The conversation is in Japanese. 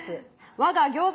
我が餃子